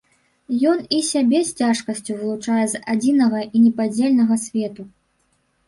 Ён і сябе з цяжкасцю вылучае з адзінага і непадзельнага свету.